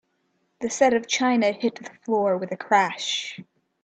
The set of china hit the floor with a crash.